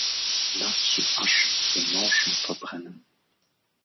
Lasst zu Asch, den Morschen, verbrennen!